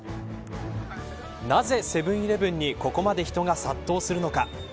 なぜ、セブン‐イレブンにここまで人が殺到するのか。